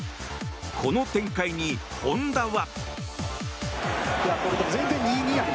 この展開に本田は。